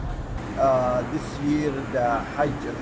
tahun ini haji alhamdulillah